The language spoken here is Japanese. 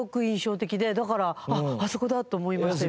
だから「あっあそこだ！」と思いましたよ。